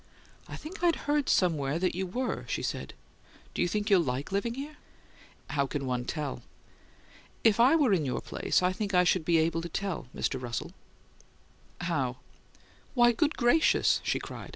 "I think I'd heard somewhere that you were," she said. "Do you think you'll like living here?" "How can one tell?" "If I were in your place I think I should be able to tell, Mr. Russell." "How?" "Why, good gracious!" she cried.